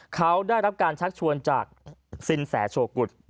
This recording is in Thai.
เขาได้รับการชักชวนจากสินแสโชกุฎ